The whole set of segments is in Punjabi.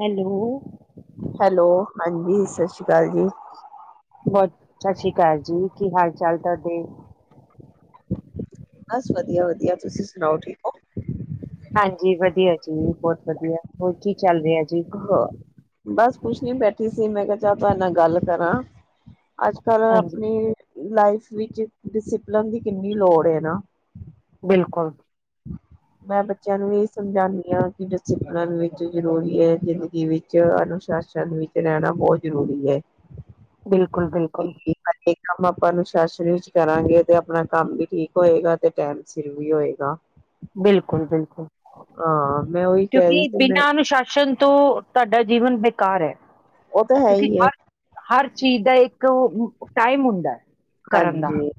ਹੈਲੋ। ਹੈਲੋ ਹਾਂਜੀ, ਸਤਿ ਸ਼੍ਰੀ ਅਕਾਲ ਜੀ। [unintelligible] ਸਤਿ ਸ੍ਰੀ ਅਕਾਲ ਜੀ, ਕੀ ਹਾਲ ਚਾਲ ਤੁਹਾਡੇ? ਬਸ, ਵਧੀਆ, ਵਧੀਆ ਤੁਸੀਂ ਸੁਣਾਓ ਠੀਕ ਹੋ? ਹਾਂਜੀ, ਵਧੀਆ ਜੀ ਬਹੁਤ ਵਧੀਆ, ਹੋਰ ਕੀ ਚੱਲ ਰਿਹਾ? ਜੀ? ਹਾਂ ਬਸ। ਕੁਛ ਨੀ ਬੈਠੀ ਸੀ ਮੈਂ ਕਿਹਾ ਚ ਤੁਹਾ ਨਾਲ ਗੱਲ ਕਰਾਂ। ਅੱਜ ਕੱਲ ਹਾਂਜੀ, ਅਪਨੀ ਲਾਈਫ ਵਿੱਚ ਡਿਸਿਪਲਨ ਦੀ ਕਿੰਨੀ ਲੋੜ ਏ ਨਾ। ਬਿਲਕੁਲ। ਮੈਂ ਬੱਚਿਆਂ ਨੂੰ ਇਹ ਸਮਝਾਨੀ ਆਂ ਕਿ ਡਿਸੀਪਲੀਨ [unintelligible] ਵਿੱਚ ਜ਼ਰੂਰੀ ਐ। ਜ਼ਿੰਦਗੀ ਵਿੱਚ, ਅਨੁਸ਼ਾਸਨ ਵਿੱਚ ਰਹਿਣਾ ਬਹੋਤ ਜ਼ਰੂਰੀ ਐ। ਬਿਲਕੁਲ, ਬਿਲਕੁਲ। ਹਰੇਕ ਕੰਮ ਆਪਾਂ ਅਨੁਸ਼ਾਸਨ ਵਿਚ ਕਰਾਂਗੇ ਤੇ ਆਪਣਾ ਕੰਮ ਵੀ ਠੀਕ ਹੋਏਗਾ ਤੇ ਟੈਮ ਸਿਰ ਵੀ ਹੋਏਗਾ। ਬਿਲਕੁਲ, ਬਿਲਕੁਲ। ਹਾਂ, ਮੈਂ ਉਹੀ ਕਹਿ ਰਹੀ ਕਿਉਂਕਿ ਸੀ ਮੈਂ ਬਿਨਾਂ ਅਨੁਸ਼ਾਸਨ ਤੋਂ ਤੁਹਾਡਾ ਜੀਵਨ ਬੇਕਾਰ ਐ। ਉਹ ਤਾਂ ਹੈ ਹੀ ਐ। ਚੀਜ਼ ਦਾ ਇੱਕ ਇੱਕ ਉਹ ਟਾਈਮ ਹੁੰਦਾ ਐ ਕਰਨ ਦਾ। ਹਾਂਜੀ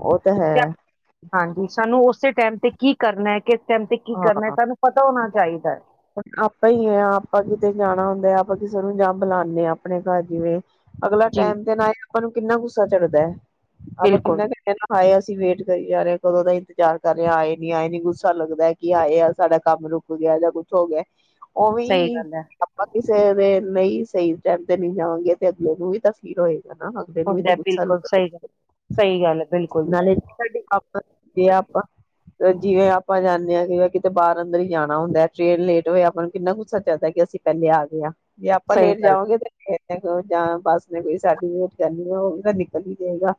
ਉਹ ਤਾਂ ਹੈ ਤੇ ਹਾਂਜੀ ਸਾਨੂੰ ਉਸੇ ਟਾਈਮ ਤੇ ਕੀ ਕਰਨਾ ਹੈ ਕਿ ਮ ਤੇ ਕੀ ਹਾਂ ਕਰਨਾ ਤੁਹਾਨੂੰ ਪਤਾ ਹੋਣਾ ਚਾਹੀਦਾ ਆਪਾਂ ਹੀ ਆ ਆਪਾਂ ਕਿਤੇ ਜਾਣਾ ਹੁੰਦਾ ਆਪਾਂ ਕਿਸੇ ਨੂੰ ਜਾਂ ਬੁਲਾਉਦੇ ਹਾਂ ਆਪਣੇ ਘਰ ਜਿਵੇਂ ਅਗਲਾ ਜੀ ਟਾਈਮ ਦੇ ਨਾਲ ਹੀ ਆਪਾਂ ਨੂੰ ਕਿੰਨਾ ਗੁੱਸਾ ਚੜਦਾ ਹੈ ਆਪਾਂ ਬਿਲਕੁਲ ਕਿੰਨਾ ਕੁ ਖਾਆ ਅਸੀਂ ਵੇਟ ਕਰੀ ਜਾ ਰਹੇਾਂ ਕਦੋਂ ਦਾ ਇੰਤਜ਼ਾਰ ਕਰ ਰ ਹਾਂ ਆਏੀ ਆਏ ਨੀ ਗੁੱਸਾ ਲੱਗਦਾ ਕੀ ਆਏ ਆ ਸਾਡਾ ਕੰਮ ਰੁਕ ਗਿਆ ਜਾਂ ਸ ਗਗੇ ਉਹ ਸਹੀ ਵੀ ਗੱਲ ਹੈ, ਆਪਾਂ ਕਿਸੇ ਦੇ ਨਹੀਂ ਸਹੀ ਟਾਈਮ ਤੇ ਨਹੀਂੀ ਜਾਵਾਂਗੇ ਤੇ ਅਗਲੇ ਨੂੰ ਵੀ ਤਾਂ ਫੀਲ ਹੋਏ ਅਗਲੇ ਨੂੰ ਵੀ ਹੁੰਦਾ ਤਾਂ ਹੈ, ਗੁੱਸਾ ਬਿਲਕੁਲ ਸਹੀ ਗੱਲ, ਸਹੀ ਗੱਲ ਹੈ ਬਿਲਕੁਲ। ਨਾਲੇ ਸਾਡੀ ਆਪਾਂ ਜਿਵੇਂ ਆਪਾਂ ਜਾਂਦੇ ਹਾਂ ਕਿਤੇ ਬਾਹਰ ਅੰਦਰ ਹੀ ਜਾਣਾ ਹੁੰਦਾ ਟ੍ਰੇਨ ਲੇਟ ਹੋਇਆ ਆਪਾਂ ਨੂੰ ਕਿੰਨਾ ਗੁੱਸਾ ਚੱਲਦਾ ਕਿ ਅਸੀਂ ਪਹਿਲੇ ਆ ਗਏਾਂ ਜੇ ਆਪਾਂ ਸਹੀ ਲੇਟ ਗੱਲ, ਜਾਵਓਗੇ ਤੇ ਜਾਂ ਬੱਸ ਨੇ ਕੋਈ ਸਰਟੀਫਕੇਟ ਕਰਨੀ ਤਾਂ ਨਿਕਲ ਹੀ ਜਾਏਗਾ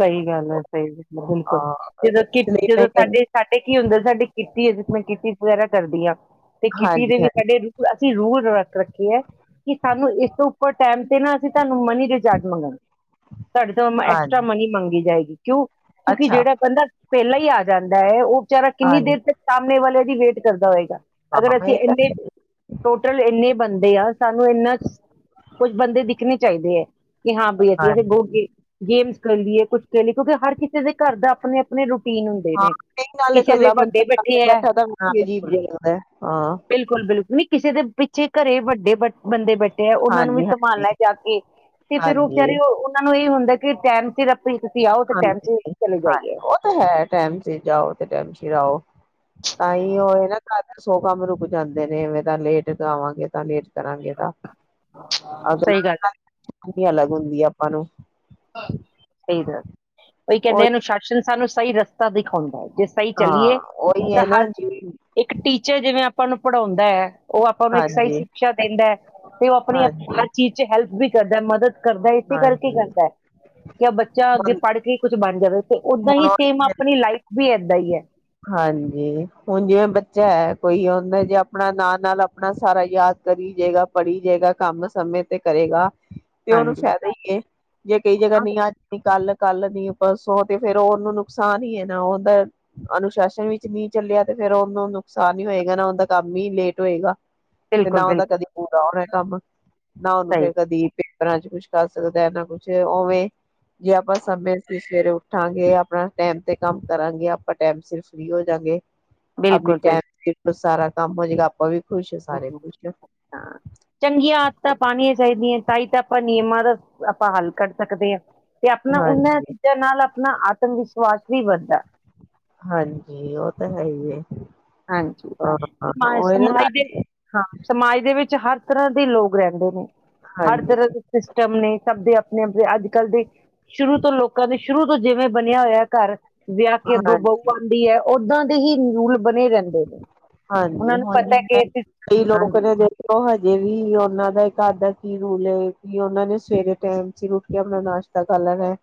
ਸਹੀ ਗੱਲ ਹੈ ਸਹੀ ਗੱਲ ਬਿਲਕੁਲ ਹਾਂ ਜਦੋਂ ਕਿ ਇਸ ਲਈ ਮੈਂ ਜਦੋਂ ਕਹਿੰਦੀ ਸਾਡੇ ਸਾਡੇ ਕੀ ਹੁੰਦਾ ਸਾਡੇ ਕਿੱ ਕੀਤੀ ਹੈ ਮੈਂ ਕਿ ਚਜ਼ ਵਗੈਰਾ ਕਰਦੀ ਹਾਂ ਤੇ ਕਿਟੀ ਦੇ ਹਾਂਜੀ ਵੀ ਹਾਂਜੀ ਸਾਡੇ ਰੂ ਰੂਲ ਰੱਖ ਰੱਖੇ ਹੈ ਕਿ ਸਾਨੂੰ ਇਸ ਤੋਂ ਉੱਪਰ ਟਾਈਮ ਤੇ ਨਾ ਅਸੀਂ ਤੁਹਾਨੂੰ ਮਨੀ ਦੇਜਾਰਡ ਮੰਗਣ ਤੁਹਾਡੇ ਤੋਂ ਐਕਸਟਰਾ ਹਾਂਜੀ ਮਨੀ ਮੰਗੀ ਜਾਏਗੀ ਕਿਉਂ ਕਿਉਂਕਿ ਅੱਛਾ ਜਿਹੜਾ ਪਦਰਦਾ ਪਹਿਲਾਂ ਹੀ ਆ ਜਾਂਦਾ ਹੈ ਉਹ ਵਿਚਾਰਾ ਕਿੰਨੀ ਹਾਂਜੀ ਦੇਰ ਤੱਕ ਸਾਹਮਣੇ ਵਾਲੇ ਦੀ ਵੇਟ ਕਰਦਾ ਹੋਏਗਾ ਅਗਰ ਹਾਂ ਅਸੀਂ ਇਹ ਤਾਂ ਇੰਨੇ ਹੈ ਟੋਟਲ ਇੰਨੇ ਬੰਦੇ ਆ ਸਾਨੂੰ ਇੰਨਾ ਕੁੱਝ ਬੰਦੇ ਦਿਖਣੇ ਚਾਹੀਦੇ ਹੈ ਕਿ ਹਾਂ ਬਈਆਆੇ ਬਹੁਤ ਹਾਂਜੀ ਗੇਮਸ ਕਰ ਲਈਏ ਕੁਛ ਕਹਿ ਲਈਏ ਕਿਉਂਕਿ ਹਰ ਕਿਸੇ ਦੇ ਘਰ ਦਾ ਆਪਣੇ ਆਪਣੇ ਰ ਤਨ ਹੁੰਦੇ ਹਾਂ ਨੇ ਨਹੀਂ ਨਾਲੇ ਕਿਸੇ ਦੇ ਇਕੱਲਾ ਬੰਦਾ ਵੱਡੇ ਕਰਕੇ ਬੈਠੇ ਹੈ ਬੈਠਾ ਤਾਂ ਹਾਂ ਵੀ ਅਜੀਬ ਬਿਲਕੁਲ ਜਿਹਾ ਲੱਗਦਾ ਹੈ ਹਾਂ ਬਿਲਕੁਲ ਬਿਲਕੁਲ ਨੀ ਕਿਸੇ ਦੇ ਪਿੱਛੇ ਘਰੇ ਵੱਡੇ ਬ ਬੰਦੇ ਬੈਠੇ ਉਹਨਾਂ ਨੂੰ ਵੀ ਹਾਂਜੀ ਸੰਭਾਲ ਹਾਂਜੀ ਲੈ ਜਾ ਕੇ ਤੇ ਫੇਿਰ ਉਹ ਹਾਂਜੀ ਵਿਚਾਰੇ ਉਹਨਾਂ ਨੂੰ ਇਹ ਹੁੰਦਾ ਕੀ ਚ ਤਿਰਪ ਹਾਂਜੀ ਉਹ ਤੇ ਹੈ ਟੈਮ ਸੀ ਜਾਓ ਤੇ ਟਮ ਓ ਤਾਂ ਹੀ ਉਹ ਇਹ ਨਾ ਘ ਸੌ ਕੰਮ ਰੁਕ ਜਾਂਦੇ ਨੇਵੇਂ ਤਾਂ ਲੇਟ ਆਵਾਂਗੇ ਤਾਂ ਲੇਟ ਕਰਾਂਗੇ ਤਾਂ ਸਹੀ ਗੱਲ ਹੈ ਅਗਲਾ ਅਲੱਗ ਹੁੰਦੀ ਆ ਪਰੋ [unintelligible] ਕੋਈ ਕਹਿੰਦੇ ਉਹੀ ਅਨੁਸ਼ਾਸਨ ਸਾਨੂੰ ਸਹੀ ਰਸਤਾ ਦੇ ਹੁੰਦਾ ਜਿਸ ਤਰ੍ਹਾਂ ਹਾਂ ਚੱਲੀਏ ਉਹੀ ਤਾਂ ਹੈ ਨਾ ਹਰ ਜੀ ਇੱਕ ਟੀਚਰ ਜਿਵੇਂਾਂ ਪਣਪੜ ਹੁੰਦਾ ਹੈ ਉਹ ਆਪਾਂ ਨੂੰ ਇੱਕ ਸਹੀ ਹਾਂਜੀ ਸ਼ਿਕਸ਼ਾ ਦਿੰਦਾ ਹੈ ਤੇ ਉਹ ਆਪਣੀ ਹਾਂਜੀ ਹਰ ਚੀਜ਼ ਚ ਹੈਲਪ ਵੀ ਕਰਦਦਾ ਮਦਦ ਕਰਦਾ ਇਸੇ ਕਰਕੇ ਹਾਂਜੀ ਕਰਦਾ ਬੱਚਾ ਅੱਗੇ ਹੁਣ ਪੜ੍ਹ ਕੇ ਹੀ ਕੁਛ ਬਣ ਜਾਵੇ ਤੇ ੱਦਾਂ ਹੁਣ ਹੀ ਸੇਮ ਉਹੀ ਆਪਣੀ ਲਾਈਫ ਵੀ ਏਦਾਂ ਹੀ ਹੈ ਹਾਂਜੀ ਹੁਣ ਜਿਵੇਂ ਬੱਚਾ ਹੈ ਕੋਈ ਉਹਦਾ ਜੇ ਆਪਣਾ ਨਾਲ ਨਾਲ ਆਪਣਾ ਸਾਰਾ ਯਾਦ ਕਰੀ ਜਾੇਗਾ ਪੜ੍ਹੀ ਜਾਏਗਾ ਕੰਮ ਸਮੇਂ ਤੇ ਕਰੇਗਾ ਤੇ ਉਹਨੂੰ ਹਾਂਜੀ ਫਾਇਦਾ ਹੀ ਹੈ ਜੇ ਕਈ ਜਗ੍ਹਾ ਹਾਂ, ਨੀ ਆਣੀ ਕੱਲ ਕੱਲ ਨੀ ਪਰਸੋਂ ਤੇ ਫੇਿਰ ਉਹਨੂੰ ਨੁਕਸਾਨ ਹੀ ਹੈ ਨਾ ਉਹਦਾ ਅਨੁਸ਼ਾਸਨ ਵਿੱਚ ਨ ਚੱਲਿਆ ਤੇ ਫੇਿਰ ਉਹਨੂੰ ਨੁਕਸਾਨ ਹੀ ਹੋਏਗਾ ਨਾ ਉਹਦਾ ਕੰਮ ਹੀ ਲੇਟ ਹੋਏਗਾ ਤੇ ਬਿਲਕੁਲ ਨਾ ਉਹਦਾ ਬਿਲਕੁਲ ਕਦੀ ਪੂਰਾ ਹੋਣਾ ਕੰਮ ਨਾ ਉਹਨੂੰ ਸਹੀ ਫੇਰ ਕਦੀ ਪਰਾਂ ਚ ਕੁਛ ਕਰ ਸਕਦਾ ਨਾ ਕੁਛ ਉਵੇਂ ਜੇ ਆਪਾਂ ਸਮੇਂ ਸਵੇਰੇ ਉੱਠਾਂਗੇ ਆਪਣਾ ਟੈਮ ਤੇ ਕੰਮ ਕਰਾਂਗੇ ਆਪਾਂ ਟਾਈਮ ਸਿਰ ਫ੍ਰਰੀ ਹੋ ਜਾਂਗੇ ਬਿਲਕੁਲ [unintelligible] ਸਾਰਾ ਕੰਮ ਹੋਜਏਗਾ ਆਪਾਂ ਵੀ ਖੁਸ਼ ਸਾਰੇ ਖੁਸ਼ ਚੰਗੀਆਂ ਆਦਾਂ ਪਾਣੀ ਚਾਹੀਦੀਆਂ ਤਾਂ ਹੀ ਤਾਂ ਆਪਾਂ ਨਿਯਮਾਂ ਦਾ ਆਪਾਂ ਹੱਲ ਕਰੱਢ ਸਕਦੇ ਹਾਂ ਤੇ ਆਪਣਾ ਉਹਨਾਂ ਹਾਂਜੀ। ਚੀਜ਼ਾਂ ਨਾਲ ਆਪਣਾ ਆਤਮ ਵਿਸ਼ਵਾਸ ਵੀ ਵੱਧਦਾ ਹਾਂਜੀ ਉਹ ਤਾਂ ਹੈ ਹੀ ਹਾਂਜੀ ਹਾਂ ਸਮਾ ਉਹੀ ਨਾ ਸਮਾਜ ਦੇ ਨਾਲੇ ਹਾਂ ਸਮਾਜ ਦੇ ਵਿੱਚ ਹਰ ਤਰ੍ਹਾਂ ਦੇ ਲੋਕ ਰਹਿੰਦੇ ਨੇ ਹਰ ਹਾਂਜੀ ਤਰ੍ਹਾਂ ਦੇ ਸਿਸਟਮ ਨੇ ਸਭ ਦੇ ਣੇ ਆਪਣੇ ਅੱਜ ਕੱਲ੍ਹ ਦੇ ਸ਼ੁਰੂ ਤੋਂ ਲੋਕਾਂ ਦੇ ਸ਼ੁਰੂ ਤੋਂ ਜਿਵੇਂ ਬਣਿਆ ਹੋਇਆ ਘਰ ਵਿਆਹ ਕੇ ਅੱਗੋਂ ਬਹੁ ਹਾਂਜੀ ਆਉਂਦੀ ਹੈ ਓਦਾਂ ਹੀ ਬਣੇ ਰਹਿੰਦੇ ਨੇ ਹਾਂਜੀ ਉਹਨਾਂ ਨੂੰ ਹੁਣ ਪਤਾ ਕਿ ਅਸੀਂ ਕਈ ਲੋਕ ਹਾਂਜੀ ਨੇ ਦੇਖਿਓ ਹਜੇ ਵੀ ਉਹਨਾਂ ਦਾ ਇੱਕ ਅੱਧ ਕੀ ਰੂਲੇ ਕੀ ਉਹਨਾਂ ਨੇ ਸਵੇਰੇ ਟਾਈਮ ਚ ਰੁਟੀ ਆਪਣਾ ਨਾਸ਼ਤਾ ਕਰ ਲੈਣਾ ਹੈ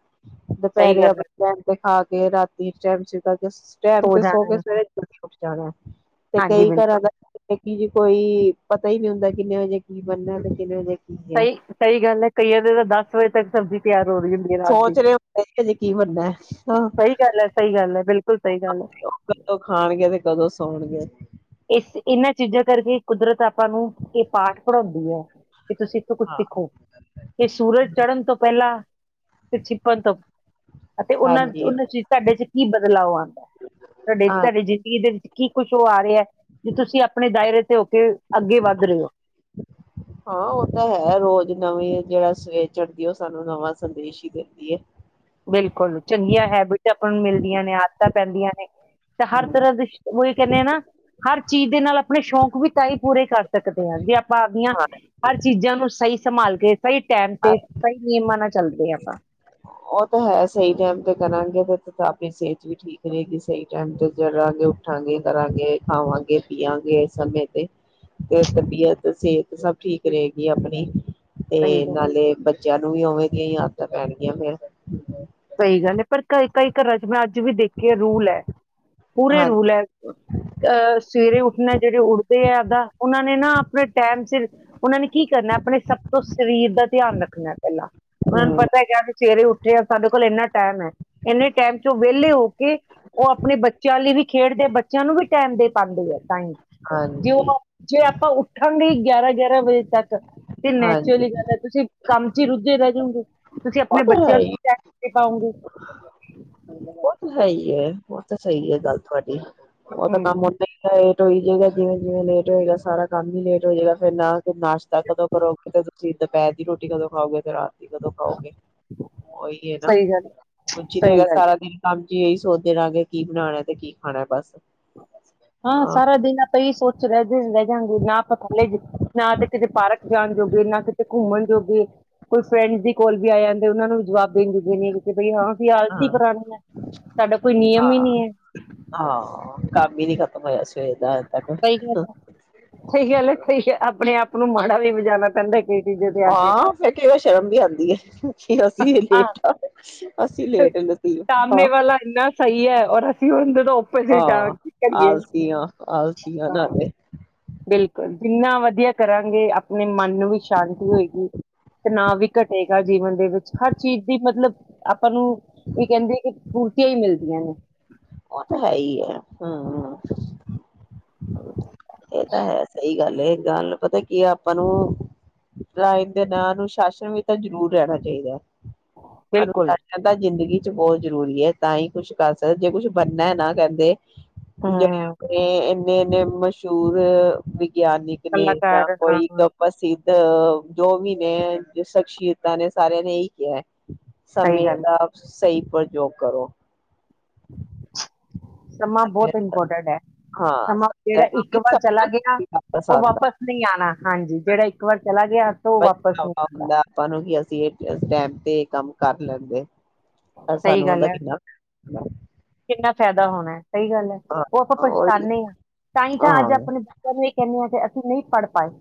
ਸਹੀ ਦੁਪਹਿਰੇ ਗੱਲ ਆਪ ਹੈ ਬ ਖਾ ਕੇ ਰਾਤੀ ਟਾਈਮ ਚ ਟਾਈਮ ਤੇ ਸੋ ਕੇ ਸਵੇਰੇ ਜਾਣਾ ਤੇ ਹਾਂਜੀ ਕਈ ਬਿਲਕੁਲ ਘਰਾਂ ਦਾ ਜੀ ਕੋਈ ਪਤਾ ਹੀ ਨਹੀਂੀ ਹੁੰਦਾ ਕਿੰਨੇ ਵਜੇ ਕੀ ਬਣਨਾ ਤੇ ਕਿੰਨੇ ਵਜੇ ਕੀ ਹੈ ਸਹੀ ਸਹੀ ਗੱਲ ਹੈ ਕਈਆਂ ਦੇ ਤਾਂ ਦਸ ਵਜੇ ਤੱਕ ਸਬਜ਼ੀ ਤਿਆਰ ਹੋ ਰਹੀ ਹੁੰਦੀ ਹੈ ਰਾਤ ਦੀ ਸੋਚ ਰਹੇ ਹੁੰਦੇ ਹਜੇ ਕੀ ਬਣਨਾ ਹੈ, ਹਾਂ ਸਹੀ ਗੱਲ ਹੈ ਸਹੀ ਗੱਲ ਹੈ ਬਿਲਕੁਲ ਸਹੀ ਗੱਲ ਹੈ ਉਹ ਕਦੋਂ ਖਾਣਗੇ ਤੇ ਕਦੋਂ ਸੌਣਗੇ ਇਸ ਇਹਨਾਂ ਚੀਜ਼ਾਂ ਕਰਕੇ ਕੁਦਰਤ ਆਪਾਂ ਨੂੰ ਇਹ ਪਾਠ ਪੜ੍ਹਾਉਂਦੀ ਹੈ ਕਿ ਤੁਸੀਂ ਇੱਥੋਂ ਕੁਛ ਸਿੱਖੋ ਇਹ ਸੂਰਜ ਚੜ੍ਹਨ ਤੋਂ ਪਹਿਲਾਂ ਤੇ ਛਿਪਣ ਤੋਂ ਅਤੇ ਉਹਨਾਂ ਹਾਂਜੀ ਉਹਨਾਂ ਚ ਤੁਹਾਡੇ ਚ ਕੀ ਬਦਲਾਵ ਆਉਂਦਾ ਤੁਹਾਡੇ ਹਾਂ ਤੁਹਾਡੀ ਜ਼ਿੰਦਗੀ ਦੇ ਵਿੱਚ ਕੀ ਕੁੱਛ ਉਹ ਆ ਰਿਹਾ ਜ ਤੁਸੀਂ ਆਪਣੇ ਦਾਇਰੇ ਤੇ ਹੋ ਕੇ ਅੱਗੇ ਵੱਧ ਰਹੇ ਹੋ ਹਾਂ ਉਹ ਤਾਂ ਹੈ ਰੋਜ਼ ਨਵੀਂ ਜਿਹੜਾ ਸਵੇਰ ਚੜਦੀ ਉਹ ਸਾਨੂੰ ਨਵਾਂ ਸੰਦੇਸ਼ ਹੀ ਦਿੰਦੀ ਹੈ ਬਿਲਕੁਲ ਚੰਗੀਆਂ ਹੈਬਿਟ ਆਪਾਂ ਨੂੰ ਮਿਲਦੀਆਂ ਨੇ ਆਦਤਾਂ ਪੈਂਦੀਆਂ ਨੇ ਤਾਂ ਹਰ ਹਾਂ ਤਰ੍ਹਾਂ ਦੇ ਇਹ ਕਹਿੰਦੇ ਹ ਨਾ ਹਰ ਚੀਜ਼ ਦੇ ਨਾਲ ਆਪਣੇ ਸ਼ੌਕ ਵੀ ਤਾਂ ਹੀ ਪੂਰੇ ਕਰ ਸਕਦੇ ਹਾਂ ਜੇ ਆਪਾਂ ਆਪਦੀਆਂ ਹਰ ਚੀਜ਼ਾਂ ਨੂੰ ਸਹੀ ਸੰਭਾਲ ਕੇਏ ਸਹੀ ਟਾਈਮ ਤੇ ਸਹੀ ਨਿਯਮਾਂ ਨਾਲ ਚੱਲਦੇ ਹ ਆਪਾਂ ਉਹ ਤਾਂ ਹੈ ਸਹੀ ਟਾਈਮ ਤੇ ਕਰਾਂਗੇ ਤੇ ਤਾਂ ਆਪਣੀ ਸਿਹਤ ਵੀ ਠੀਕ ਰਹੇਗੀ ਸਹੀ ਟਾਈਮ ਤੇ ਜੜਾਂਗੇ ਉੱਠਾਂਗੇ ਕਰਰਾਂਗੇ ਖਾਵਾਂਗੇ ਪੀਵਾਂਗੇ ਇਸ ਸਮੇਂ ਤੇ ਤੇ ਤਬੀਅਤ ਸਿਹਤ ਸਭ ਠੀਕ ਰਹੇਗੀ ਆਪਣੀ ਤੇ ਸਹੀਕ ਹੈ ਨਾਲੇ ਬੱਚਿਆਂ ਨੂੰ ਵੀ ਉਵੇਂ ਦੀ ਹੀ ਆਦਤਾਂ ਪੈਣਗੀਆਂ ਫੇਿਰ ਸਹੀ ਗੱਲ ਹੈ ਪਰ ਕਈ ਕਈ ਘਰਾਂ ਚ ਮੈਂ ਅੱਜ ਵੀ ਦੇਖੀ ਰੂਲ ਹੈ ਪੂਰੇ ਹਾਂਜੀ। ਰੂਲ ਹੈ ਅਹ ਸਵੇਰੇ ਉੱਠਣਾ ਜਿਹੜੇ ਉੱਠਦੇ ਹੈ ਇੱਦਾਂ ਉਹਨਾਂ ਨੇ ਨਾ ਆਪਣੇ ਟੈਮਸ ਉਹਨਾਂ ਨੇ ਕੀ ਕਰਨਾ ਆਪਣੇ ਸਭ ਤੋਂ ਸਰੀਰ ਦਾ ਧਿਆਨ ਰੱਖਣਾ ਪਹਿਲਾਂ ਉਹਨਾਂ ਨੂੰ ਪਤਾ ਹੈ ਕਿਸੀਂ ਸਵੇਰੇ ਉੱਠੇ ਹ ਇੰਨਾ ਟਾਈਮ ਹੈ ਇੰਨੇ ਟਾਈਮ ਚੋਂ ਵਿਹਲੇ ਹੋ ਕੇ ਉਹ ਆਪਣੇ ਬੱਚਿਆਂ ਲਈ ਵੀ ਖੇਡਦੇ ਬੱਚਿਆਂ ਨੂੰ ਵੀ ਟਾਈਮ ਦੇ ਪਾਉਂਦੇ ਹੈ ਤਾਂ ਹੀ ਜ ਹਾਂਜੀ ਉਹ ਜੇ ਆਪਾਂ ਉੱਠਣ ਲਈ ਗਿਆਰਾਂ ਗਿਆਰਾਂ ਵਜੇ ਤੱਕ ਤੇ ਨੈਚੁਰਲੀ ਹਾਂਜੀ ਗੱਲ ਹੈ ਤੁਸੀਂ ਕੰਮ ਚ ਹੀ ਰੁੱਝੇ ਰ ਗੇ [unintelligible] ਤੁਸੀਂ ਉਹ ਆਪਣੇ ਤਾਂ ਬੱਚਿਆਂ ਹੈ ਹੀ ਨੂੰ ਚੈ [unintelligible] ਪਾਉਂਗੀ ਉਹ ਤੇ ਹੈ ਹੀ ਹੈ ਉਹ ਤੇ ਸਹੀ ਹੈ ਗੱਲ ਤੁਹਾਡੀ ਉਹ ਤਾਂ ਹਮ ਕੰਮ ਹੁੰਦਾ [unintelligible] ਲੇਟ ਹੋਈ ਜਾਏਗਾ ਜਿਵੇਂ ਜਿਵੇਂ ਲੇਟ ਹੋਏਗਾ ਸਾਰਾ ਕੰਮ ਹੀ ਲੇਟ ਹੋ ਜਾਵੇਗਾ ਫਿਰ ਨਾ [unintelligible] ਨਾਸ਼ਤਾ ਕਦੋਂ ਕਰੋ ਕਿਤੇ ਤੁਸੀਂ ਦੁਪਹਿਰ ਦੀ ਰੋਟੀ ਕਦੋਂ ਖਾਓਗੇ ਫ ਰਾਤ [unintelligible] ਕਦੋਂ ਖਾਓਗੇ ਉਹੀ ਹੈ ਨਾ ਸਹੀ ਗੱਲ ਕੁਛ ਹੈ ਹੀ ਨਹੀਂ ਸਹੀ ਹੈਗਾ ਗੱਲ ਸਾਰਾ ਦਿਨ ਹਜੀ [unintelligible] ਇਹੀ ਸੋਚਦੇ ਰਹਗੇ ਕੀ ਬਣਾਉਣਾ ਤੇ ਕੀ ਖਾਣਾ ਬਸ ਹਾਂ ਸਾਰਾ ਦਿਨ ਆਪਾਂ ਹੀ ਸੋਚ ਰਹਿਦੇ ਰਹਿ ਜਾਂਗੇ ਨਾ ਆਪਾਂ ਥੱਲੇ ਨਾ ਤੇ ਕਿਤੇ ਪਾਰਕ ਜਾਣ ਜੋਗੇ ਨਾ ਕਿਤੇ ਘੁੰਮਣ ਜੋਗੇ ਕੋਈ ਫਰੈਂਡਸ ਦੀ ਕੋਲ ਵੀ ਆ ਜਾਂਦੇ ਉਹਨਾਂ ਨੂੰ ਵੀ ਜਵਾਬ ਦੇਣ ਜੋਗੇ ਨਹੀਂ ਕਿ ਬਈ ਹਾਂ ਵੀ ਆਲਤੀ ਹਾਂ ਪੁਰਾਣੀ ਹੈ ਸਾਡਾ ਕੋਈ ਨਿਯਮ ਹੀ ਨੀ ਹੈ ਵੀ ਨੀ ਖਤਮ ਹੋਇਆ ਸਵੇਰ ਦਾ ਤੱਕ ਸਹੀ ਗੱਲ ਸਹੀ ਗੱਲ ਹੈ ਸਹੀ ਆਪਣੇ ਆਪ ਉਹ ਨੂੰ ਮਾੜਾ ਵੀ ਬਜਾ ਲ ਹਾਂ ਫ ਕਈ ਵਾਰ ਸ਼ਰਮ ਵੀ ਆਉਂਦੀ ਹੈ ਅਸੀਂ ਹਾਂ ਲੇਟ ਆ ਅਸੀਂ ਲੇਟ ਲਤੀਫ ਹਾਂ ਹ ਜਾਂਦੇ [unintelligible] ਹਾਂ ਆਲਸੀ ਆ ਆਲ ਹਾਂ ਨਾਦੇ [unintelligible] ਬਿਲਕੁਲ ਜਿੰਨਾ ਵਧੀਆ ਕਰਾਂਗੇ ਆਪਣੇ ਮਨ ਨੂੰ ਵੀ ਸ਼ਾਂਤੀ ਹੋਏਗੀ ਤਣਾਅ ਵੀ ਘਟੇਗਾ ਜੀਵਨ ਦੇ ਵਿੱਚ ਹਰ ਚੀਜ਼ ਦੀ ਮਤਲਬ ਅ ਆਪਾਂ ਨੂੰ ਇਹ ਕਹਿੰਦੇ ਕਿ ਕ ਮਿਲਦੀਆਂ ਨੇ ਉਹ ਤਾਂ ਹੈ ਹੀ ਹੈ ਹਮਮ ਇਹ ਤਾਂ ਹੈ ਸਹੀ ਗੱਲ ਏ ਗੱਲ ਨੂੰ ਪਤਾ ਕੀ ਹੈ ਆਪਾਂ ਨੂੰਾਈਣ [unintelligible] ਦੇ ਨਾਂ ਅਨੁਸ਼ਾਸਨ ਵੀ ਤਾਂ ਜ਼ਰੂਰ ਰਹਿਣਾ ਚਾਹੀਦਾ ਬਿਲਕੁਲ ਅਨੁਸ਼ਾਸ਼ਨ ਤਾਂ ਜ਼ਿੰਦਗੀ ਬਹੁਤ ਜ਼ਰੂਰੀ ਹੈ ਤਾਂ ਹੀ ਕੁਛ ਕਰ ਸਕ ਜੇ ਕੁਛ ਬਣਨਾ ਹੈ ਨਾ ਕਹਿੰਦੇ ਜ ਹੂੰ ਆਪਣੇ ਮ [unintelligible] ਚੋੂਰ [unintelligible] ਵਿਗਿਆਨਿਕ ਨੇ ਜਾਂ ਕਲਾਕਾਰ ਹਾਂ ਕੋਈ ਇੱਕ ਹਾਂ, ਪ੍ਰਸਿੱਧ ਅ ਜੋ ਵੀ ਨੇ ਸ਼ਖਸੀਅਤਾਂ ਨੇ ਸਾਰਿਆਂ ਨੇ ਇ ਕਿਹਾ ਸਹੀ ਸਮੇ ਗੱਲ ਦਾ ਸਹੀ ਪਰ ਜੋਕ ਕਰੋ ਸਮਾਂ ਬਹੁਤ ਇੰਪੋਰਟੈਂਟ ਹੈ ਹਾਂ, ਸਮਾਂ ਸਭ ਜਿਹੜਾ ਇੱਕ ਕਿਉਂਕਿ ਵਾਰ ਸਭ ਚਲਾ ਦਾ ਗਿਆ ਨੀ ਕੰਮ ਉਹ ਪਸੰਦ ਵਾਪਿਸ ਨਹੀਂ ਆਉਣਾ ਹਾਂਜੀ ਜਿਹੜਾ ਇੱਕ ਵਾਰ ਚ ਲੱਗ ਗਿਆ ਤਾਂ ਉਹ ਵਾਪਸ ਨਹੀਂ ਬਚਵਾ ਆਂਦਾ ਹੁੰਦਾ ਆਪਾਂ ਨੂੰ ਕਿ ਅਸੀਂ ਇਹ ਟਮ ਤੇ ਕੰਮ ਕਰ ਲੈਂਦੇ ਪਰ ਸਹੀ ਸਾਨੂੰ ਗੱਲ ਉਹਦਾ ਹੈ ਕਿੰਨਾ ਹਾਂ, ਕਿੰਨਾ ਫਾਇਦਾ ਹੋਣਾ ਸਹੀ ਗੱਲ ਹੈ ਉਹ ਆਪਾਂ ਹਾਂ, ਉਹੀ ਪਛਤਾਾਨਦੇ ਹਾਂ ਤਾਂ ਹੀ ਤਾਂ ਅੱਜ ਹਾਂ, ਆਪਣੇ ਬੱਚਿਆਂ ਨੂੰ ਇਹ ਕਹਿੰਦੇ ਹਾਂ ਕਿ ਨਹੀਂ ਪੜ ਪਏ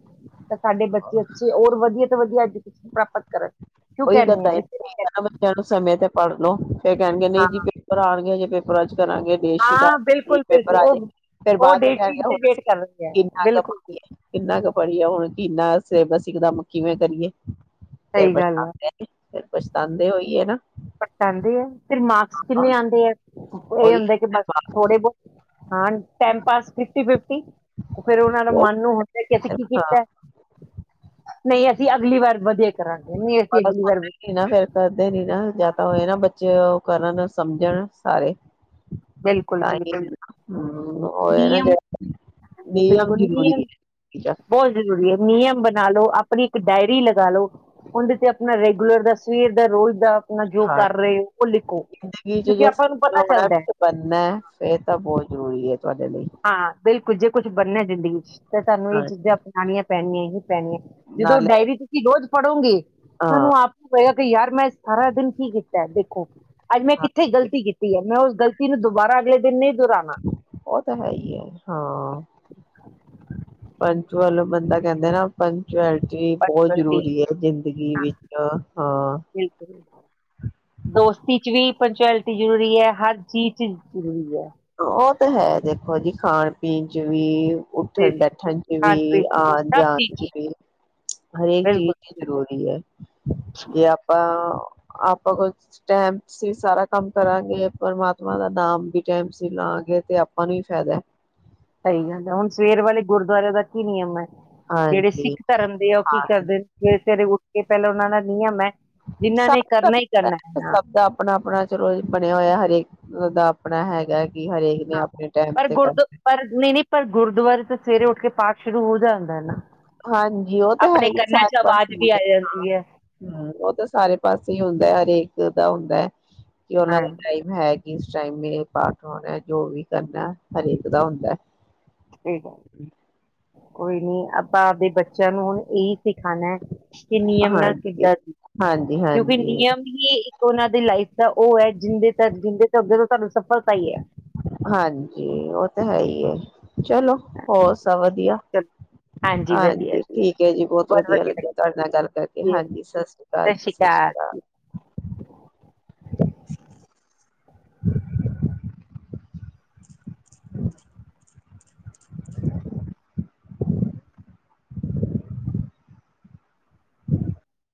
ਸਾਡੇ ਬੱਚੇ ਅੱਚੇ ਹੋਰ ਵਧੀਆ ਵਧੀਆ ਐਜੂਕੇਸ਼ਨ ਪ੍ਰਾਪਤ ਕਰਨ ਕਿਉਂ ਉਹੀ ਕਹਿੰਦੇ ਤਾਂਤਾ ਆ ਇਸ ਲਈ ਕਹਿੰਦੇ ਬੱਚਿਆਂ ਨੂੰ ਸਮੇਂ ਤੇ ਪੜ੍ਹਨ ਫ ਕਹਿਣਗੇ ਹਾਂ ਨਹੀਂ ਜੀ ਪੇਪਰ ਆਉਣ ਗਿਆ ਜੇ [unintelligible] ਕਰਾਂਗੇ ਡੇਟ ਸ਼ੀ ਹਾਂ ਬਿਲਕੁਲ ਪੇਪਰ ਬਿਲਕੁਲ ਆ ਜਾੇ ਫਰ ਉਹ ਉਹ ਬਾਅਦ ਚ ਡੇਟ ਕਹਿਣ ਸ਼ੀਟ ਗਿਆ ਤੇ ਹੁਣ ਵੇਟ ਕਰ ਰਹੀ ਹੈ ਕਿੰਨਾ ਕੁ ਬਿਲਕੁਲ ਜੀ, ਪੜੀਏ ਕਿੰਨਾ ਕੁ ਪੜੀਏ ਹੁਣ ਕਿੰਨਾ ਸੇਬ ਸਿੱਖਦਾਮ ਕਿਵੇਂ ਕਰੀਏ ਸਹੀ ਗੱਲ ਆ ਫਿਰ ਪਛਤਾਉਂਦੇ ਹੋਈਏ ਨਾ ਪਰਸਾਂਉਦੀ ਆ ਫਿਰ ਮਾਰਕਸ ਹਾਂ ਕਿੰਨੇ ਆਉਂਦੇ ਆ ਇਹ ਉਹੀ ਹੁੰਦਾ ਕਿ ਬ ਥੋੜੇ ਬਹੁਤ ਹਾਂ ਟਾਈਮ ਪਾਸ ਕੀਤੀ ਵੀ ਫੇਿਰ ਉਹਨਾਂ ਦਾ ਮਨ ਨੂੰ ਹਦਾ ਕਿ ਅਸੀਂ ਕੀ ਹਾਂ ਕੀਤਾ ਨਹੀਂ ਅਸੀਂ ਅਗਲੀ ਵਾਰ ਵਧੀਆ ਕਰਾਂਗੇ ਨਹੀਂ ਅਸੀਂ ਅਗਲੀ ਵਾਰ ਸੁਣਦੇ ਨੀ ਨਾ ਫੇਰ ਕਰਦੇ ਨੀ ਨਾ ਤਾਂ ਹੋਏ ਨਾ ਬੱਚੇ ਉਹ ਕਰਨ ਸਮਝਣ ਸਾਰੇ ਬਿਲਕੁਲ ਤਾਂ ਬਿਲਕੁਲ ਹਮ ਉਹ ਨਾ ਨਿਯਮ ਜਿਹੜਾ ਨਿਯਮ ਜ਼ਰੂਰੀ ਹੈ ਬਹੁਤ ਜ਼ਰੂਰੀ ਹੈ ਨਿਯਮ ਬਣਾ ਲਓ ਆਪਣੀ ਇੱਕ ਡਾਇਰੀ ਲਗਾ ਲਓ ਉਹਦੇ ਤੇ ਆਪਣਾ ਰੈਗੂਲਰ ਦਾ ਸਵੇਰ ਦਾ ਰੋਜ਼ ਦਾ ਆਪ ਜੋ ਹਾਂ ਕਰ ਰਹੇ ਉਹ ਲਿਖੋ ਕਿਉਂਕਿ ਆਪਾਂ ਨੂੰ ਪਤਾ ਚੱਲਦਾ ਹੈ ਬੰਨਾ ਫਿਰਰ ਤਾਂ ਬਹੁਤ ਜ਼ਰੂਰੀ ਹੈ ਤੁਹਾਡੇ ਲਈ ਬੰਨੇ ਜ਼ਿੰਦਗੀ ਤੇ ਤੁਹਾਨੂੰ ਇਹ ਚੀਜ਼ਾਂ ਹਾਂਜੀ ਅਪਉਣੀਆਂ ਪੈਣੀਆਂ ਹੀ ਪੈਣੀਆਂ ਜਦੋਂ ਨਾਲੇ ਡਾਇਰੀ ਤੁਸੀਂ ਰੋਜ਼ ਪੜੂੰਗੀ ਹਾਂ ਤੁਹਾਨੂੰ ਆਪ ਹੀ ਪਏਗਾ ਕਿ ਯਾਰ ਮੈਂ ਸਾਰਾ ਦਿਨ ਕੀ ਕੀਤਾ ਦੇਖੋ ਅੱਜ ਮੈਂ ਕਿੱਥੇ ਹਾਂਜੀ ਗਲਤੀ ਕੀਤੀ ਹੈ ਮੈਂ ਉਸ ਤ ਨੂੰ ਦੁਬਾਰਾ ਅਗਲੇ ਦਿਨ ਨੇ ਉਹ ਤਾਂ ਹੈ ਹੀ ਹੈ ਹਾਂ ਪੰਚ ਵੱਲੋਂ ਬੰਦਾ ਕਹਿੰਦੇ ਨਾ ਪੰਚ ਬਹੁਤ ਜ਼ਰੂਰੀ ਹੈ ਜ਼ਿੰਦਗੀ ਵਿੱਚ ਹਾਂ ਬਿਲਕੁਲ ਦੋਸਤੀ ਚ ਵੀ ਪੰਚੁਐਲਿਟੀ ਜ਼ਰੂਰੀ ਹੈ ਹਰ ਚੀਜ਼ ਚ ਜ਼ਰੂਰੀ ਹੈ ਉਹ ਤਾਂ ਹੈ ਦੇਖੋ ਜੀ ਖਾਣ ਪੀਣ ਚ ਵੀ ਤੇ ਉੱਠਣ ਬੈਠਣ ਚ ਵੀ ਖਾਣ ਪੀਣ ਆਉਣ ਸਭ ਚੀਜ਼ ਜਾਣ ਚ ਵੀ ਹਰੇਕ ਬਿਲਕੁਲ ਚੀਜ਼ ਜ਼ਰੂਰੀ ਹੈ ਜੇ ਆਪਾਂ ਆਪਾਂ ਕੁਝ ਸਟੈਂਪ ਸੀ ਸਾਰਾ ਕੰਮ ਕਰਾਂਗੇ ਪਰਮਾਤਮਾ ਦਾ ਨਾਮ ਵੀ ਟਾਈਮਸੀ ਲਾਗੇ ਤੇ ਆਪਾਂ ਨੂੰ ਹੀ ਫਾਇਦਾ ਸਹੀ ਗੱਲ ਹੈ ਹੁਣ ਸਵੇਰ ਵਾਲੇ ਗੁਰਦੁਆਰਰੇ ਦਾ ਕੀ ਨਿਯਮ ਹੈ ਜਿਹੜੇ ਸਿੱਖ ਹਾਂਜੀ ਧਰਮ ਦੇ ਆ ਉਹ ਕੀ ਕਰਦੇਰੇ ਕਿ ਪਹਿਲਾਂ ਉਹਨਾਂ ਦਾ ਨਿਯਮ ਹੈ ਜਿਨ੍ਹਾਂ ਨੇ ਸਭ ਕਰਨਾ ਹੀ ਕਰਨਾ ਹੈ ਹਾਂ ਸਭ ਦਾ ਆਪਣਾ ਆਪਣਾ ਚਲੋ ਬਣਿਆ ਹੋਇਆ ਹਰੇਕ ਦਾ ਆਪਣਾ ਹੈਗਾ ਹਰੇਕ ਨੇ ਹਾਂ ਆਪਣੇ ਟੈਮ ਪਰ ਤੇ ਗੁਰਦ ਕਰਨਾ ਪਰ ਨਹੀਂ ਨਹੀਂ ਪਰ ਗੁਰਦੁਆਰੇ ਤੋਂ ਸਵੇਰੇ ਉੱਠ ਕੇ ਪਾਕ ਸ਼ੁਰੂ ਹੋ ਜਾ ਹਾਂਜੀ ਉਹ ਤਾਂ ਹੈ ਹੀ ਕੰਨਾਂ ਸਾਰੇ ਚ ਆਵਾਜ਼ ਪਾਸੇ ਵੀ ਹੈ ਆ ਜਾਂਦੀ ਹੈ ਹਮ ਉਹ ਤਾਂ ਸਾਰੇ ਪਾਸੇ ਹੁੰਦਾ ਹਰੇਕ ਦਾ ਹੁੰਦਾ ਹੈ ਕਿ ਉਹਨਾਂ ਹਾਂ ਦਾ ਟਾਈਮ ਹੈ ਇਸ ਟਾਈਮ ਮੇ ਪਾਠ ਹੋਣਾ ਜੋ ਵੀ ਕਰਨਾ ਹਰੇਕ ਦਾ ਹੁੰਦਾ ਹੈ ਠੀਕ ਹੈ ਕੋਈ ਨੀ ਆਪਾਂ ਆਪਦੇ ਬੱਚਿਆਂ ਨੂੰ ਹੁਣ ਇ ਸਿਖਾਉਣਾ ਹੈ ਕਿ ਨਿਯਮ ਨਾਲ ਹਾਂਜੀ ਕਿੱਦਾਂ ਸੀ ਹਾਂਜੀ ਕਿਉਂਕਿ ਹਾਂਜੀ ਨਿਯਮ ਹੀ ਉਹਨਾਂ ਦੀ ਲਾਈਫ ਦਾ ਉਹ ਹੈ ਜਿੰਦੇ ਤੱਕ ਜਿੰਦੇ ਤੋਂ ਅੱਗੇ ਤੋਂ ਸਾਨੂੰ ਸਫਲਤਾ ਹੀ ਹੈ ਹਾਂਜੀ ਉਹ ਤਾਂ ਹੈ ਹੀ ਚਲੋ ਹੋਰ ਸਭ ਵਧੀਆ ਚਲੋ ਵਧੀਆ ਹਾਂਜੀ ਜੀ ਠੀਕ ਹੈ ਜੀ ਬਹੁਤ ਵਧੀਆ ਲੱਗਿਆ ਤੁਹਾਡੇ ਨਾਲ ਗੱਲ ਕਰਕੇ ਲੱਗੀ ਹਾਂਜੀ ਸਤਿ ਸ੍ਰੀ ਅਕਾਲ ਜੀ ਸਤਿ ਸ਼੍ਰੀ ਅਕਾਲ [unintelligible]